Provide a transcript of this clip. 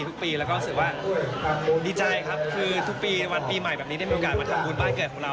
ทุกปีแล้วก็รู้สึกว่าดีใจครับคือทุกปีวันปีใหม่แบบนี้ได้มีโอกาสมาทำบุญบ้านเกิดของเรา